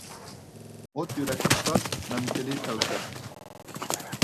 ئوت يۈرەك ئۇستاز مەمتىلى تەۋپىق.